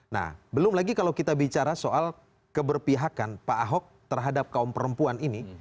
nah belum lagi kalau kita bicara soal keberpihakan pak ahok terhadap kaum perempuan ini